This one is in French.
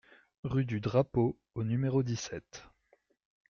Rue du Drapeau au numéro dix-sept